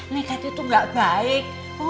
nekat itu nggak baik